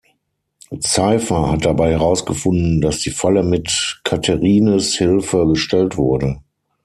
Cypher hat dabei herausgefunden, dass die Falle mit Katherines Hilfe gestellt wurde.